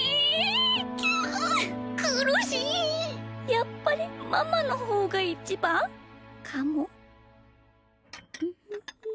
やっぱりママのほうがいちばん？かも。